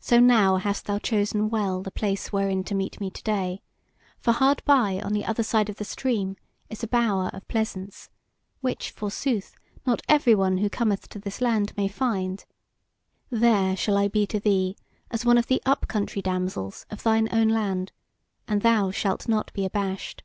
So now hast thou chosen well the place wherein to meet me to day, for hard by on the other side of the stream is a bower of pleasance, which, forsooth, not every one who cometh to this land may find; there shall I be to thee as one of the up country damsels of thine own land, and thou shalt not be abashed."